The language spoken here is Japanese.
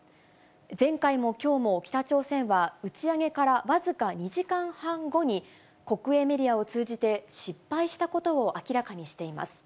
前回もきょうも、北朝鮮は打ち上げから僅か２時間半後に国営メディアを通じて、失敗したことを明らかにしています。